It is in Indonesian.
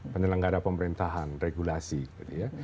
penyelenggara pemerintahan regulasi gitu ya